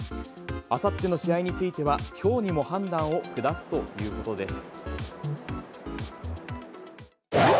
あさっての試合については、きょうにも判断を下すということです。